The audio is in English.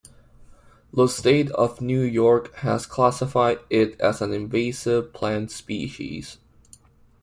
The State of New York has classified it as an invasive plant species.